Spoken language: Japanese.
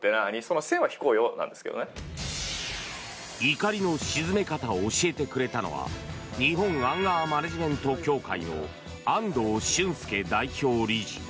怒りの鎮め方を教えてくれたのは日本アンガーマネジメント協会の安藤俊介代表理事。